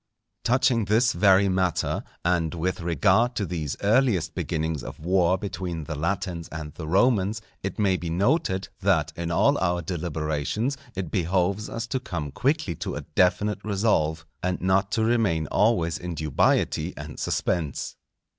Touching this very matter, and with regard to these earliest beginnings of war between the Latins and the Romans, it may be noted, that in all our deliberations it behoves us to come quickly to a definite resolve, and not to remain always in dubiety and suspense.